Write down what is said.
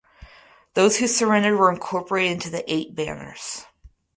Those who surrendered were incorporated into the Eight Banners.